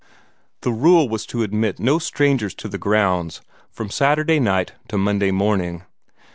The rule was to admit no strangers to the grounds from Saturday night to Monday morning.